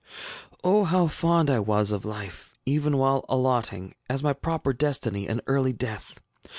ŌĆ£O, how fond I was of life, even while allotting, as my proper destiny, an early death!